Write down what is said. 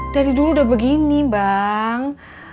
dari dulu udah begini bang